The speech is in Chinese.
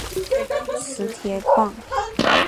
磁铁矿。